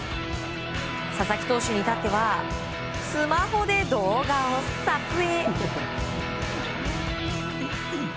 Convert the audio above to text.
佐々木投手に至ってはスマホで動画を撮影。